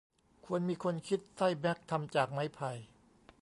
ควรมีคนคิดไส้แม็กทำจากไม้ไผ่